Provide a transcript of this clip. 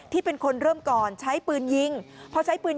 มีการฆ่ากันห้วย